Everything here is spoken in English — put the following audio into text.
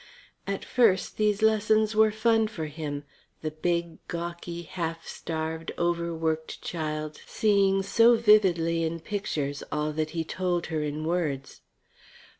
At first these lessons were fun for him; the big, gawky, half starved, overworked child seeing so vividly in pictures all that he told her in words.